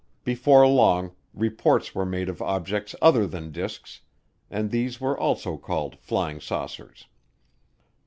Before long, reports were made of objects other than disks, and these were also called flying saucers.